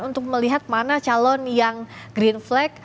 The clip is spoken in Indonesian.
untuk melihat mana calon yang green flag